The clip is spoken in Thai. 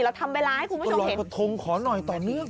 แล้วทำเวลาให้คุณผู้ชมเห็นรอยกระทงขอหน่อยตอนนี้